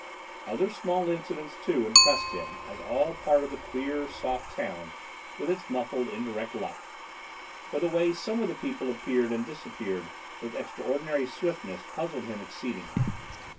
Other small incidents, too, impressed him as all part of this queer, soft town with its muffled, indirect life, for the way some of the people appeared and disappeared with extraordinary swiftness puzzled him exceedingly.